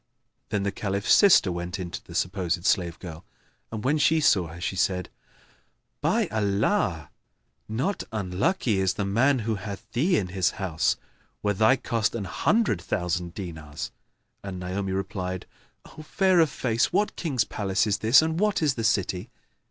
Then the Caliph's sister went in to the supposed slave girl and, when she saw her, she said, "By Allah, not unlucky is the man who hath thee in his house, were thy cost an hundred thousand dinars!" And Naomi replied, "O fair of face, what King's palace is this, and what is the city?"